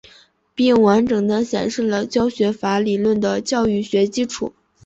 并完整地显示了教学法理论的教育学基础。